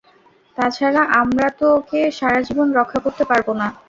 তা ছাড়া, আমরা তো ওকে সারাজীবন রক্ষা করতে পারব না।